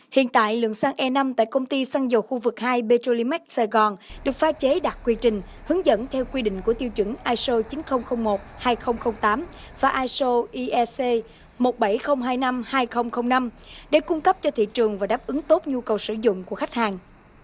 hiện tại lượng xăng e năm tại công ty xăng dầu khu vực hai petrolimax sài gòn được pha chế đạt quy trình hướng dẫn theo quy định của tiêu chuẩn iso chín nghìn một hai nghìn tám và iso iec một mươi bảy nghìn hai mươi năm hai nghìn năm để cung cấp cho thị trường và đáp ứng tốt nhu cầu sử dụng của khách hàng